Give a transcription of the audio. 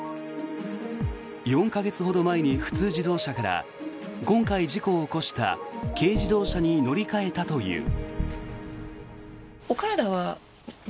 ４か月ほど前に普通自動車から今回、事故を起こした軽自動車に乗り換えたという。